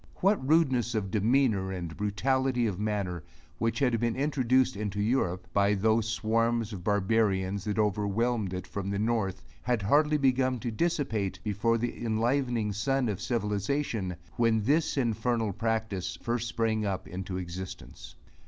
What rudeness of demeanor and brutality of manner, which had been introduced into Europe, by those swarms of barbarians, that overwhelmed it from the north, had hardly begun to dissipate before the enlivening sun of civilization, when this infernal practice first sprang up into existence.